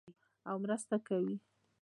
او مرسته کوي.